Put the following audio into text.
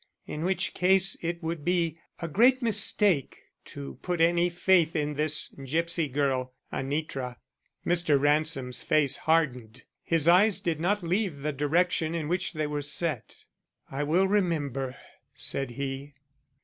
In which case it would be a great mistake to put any faith in this gipsy girl, Anitra." Mr. Ransom's face hardened; his eyes did not leave the direction in which they were set. "I will remember," said he.